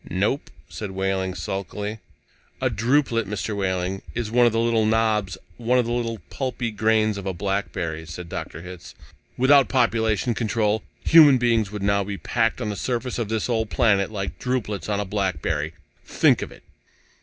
"Nope," said Wehling sulkily. "A drupelet, Mr. Wehling, is one of the little knobs, one of the little pulpy grains of a blackberry," said Dr. Hitz. "Without population control, human beings would now be packed on this surface of this old planet like drupelets on a blackberry! Think of it!"